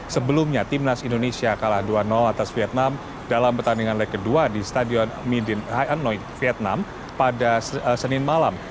sebelumnya timnas indonesia kalah dua atas vietnam dalam pertandingan leg kedua di stadion midin high hanoi vietnam pada senin malam